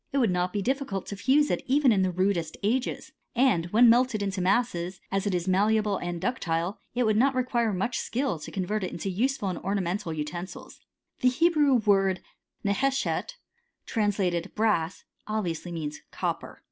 It would not be difficult to fuse it even in tfaiift rudest ages : and when melted into masses, as it ii malleable and ductile, it would not require much skil{. to convert it into useful and ornamental utensils. J^ Hebrew word JWHi (necheshet) translated brass^ olh. viously means copper.